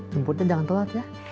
pungpun aja jangan telat ya